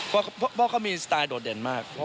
เพราะเขามีสไตล์โดดเด่นมาก